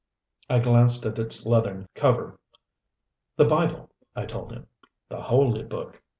I glanced at its leathern cover. "The Bible," I told him. "The Holy Book.